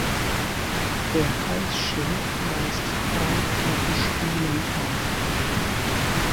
Der Halsschild weist drei glatte Schwielen auf.